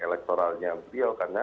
elektoralnya beliau karena